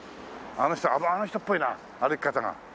あの人っぽいな歩き方が。